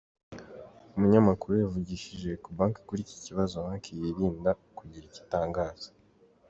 Umunyamakuru yavugishije Ecobank kuri iki kibazo banki yirinda kugira icyo itangaza.